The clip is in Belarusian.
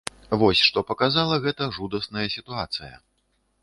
Вось што паказала гэтая жудасная сітуацыя.